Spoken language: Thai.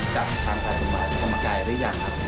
กับทางฝ่ายสมบัติธรรมกายหรือยังครับ